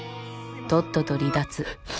とっとと離脱。